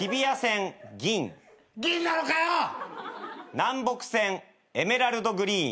南北線エメラルドグリーン。